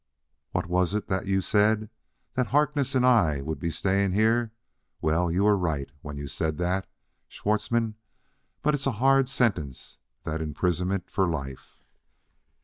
"What was it that you said? that Harkness and I would be staying here? Well, you were right when you said that, Schwartzmann: but it's a hard sentence, that imprisonment for life."